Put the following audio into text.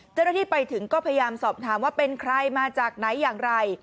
เจ้าหน้าที่ไปถึงก็พยายามสอบถามว่าเป็นใครมาจากไหนอย่างไร